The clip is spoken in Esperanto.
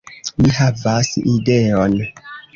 Mi havas ideon